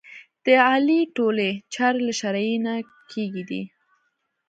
د علي ټولې چارې له شرعې نه کېږي دي.